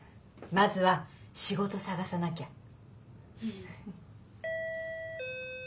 まずは仕事探さなきゃ。